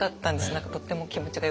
何かとっても気持ちがよくて。